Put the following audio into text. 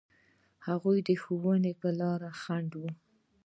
هغوی د ښوونې په لاره خنډ و.